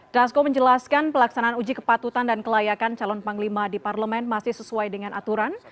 dasko menjelaskan pelaksanaan uji kepatutan dan kelayakan calon panglima di parlemen masih sesuai dengan aturan